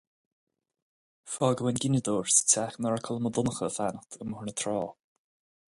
Fágadh an gineadóir sa teach ina raibh Colm Ó Donnchadha ag fanacht i mBóthar na Trá.